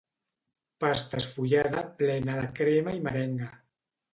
Pasta esfullada plena de crema i merenga